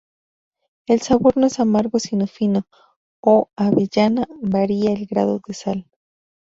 El sabor no es amargo sino fino, a avellana; varía el grado de sal.